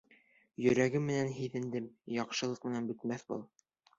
Йөрәгем менән һиҙендем: яҡшылыҡ менән бөтмәй был!